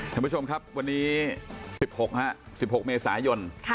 ท่านผู้ชมครับวันนี้สิบหกฮะสิบหกเมษายนค่ะ